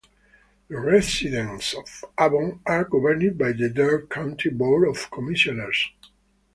The residents of Avon are governed by the Dare County Board of Commissioners.